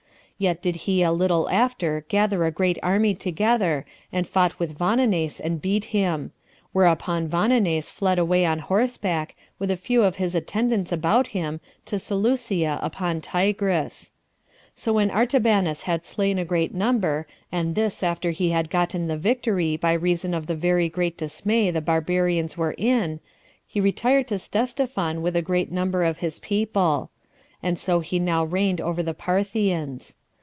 Yet did he a little after gather a great army together, and fought with Vonones, and beat him; whereupon Vonones fled away on horseback, with a few of his attendants about him, to Seleucia [upon Tigris]. So when Artabanus had slain a great number, and this after he had gotten the victory by reason of the very great dismay the barbarians were in, he retired to Ctesiphon with a great number of his people; and so he now reigned over the Parthians.